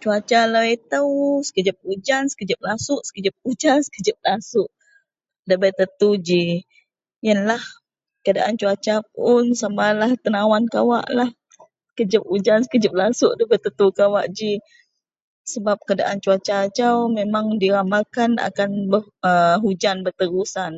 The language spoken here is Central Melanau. cuaca lau itou sekejap ujan sekejap lasuk sekejap ujan sekejap lasuk debei tentu ji ienlah, keadaan cuaca pun samalah tenawan kawaklah sekejap ujan sekejap lasuk debei tentu kawak ji sebab keadaan cuaca ajau memang diramalkan akan a ujan berterusan